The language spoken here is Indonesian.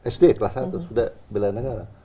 sd kelas satu sudah bela negara